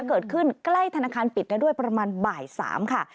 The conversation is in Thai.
เกิดขึ้นใกล้ธนาคารปิดได้ด้วยประมาณบ่าย๓ค่ะ